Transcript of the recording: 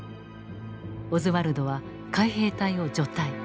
オズワルドは海兵隊を除隊。